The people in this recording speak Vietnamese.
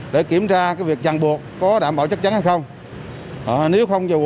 để kiểm tra cái việc chẳng buộc có đảm bảo chắc chắn hay không